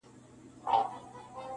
د دې خوب تعبير يې ورکه شیخ صاحبه,